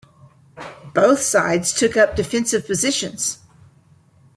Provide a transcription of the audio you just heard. Both sides took up defensive positions.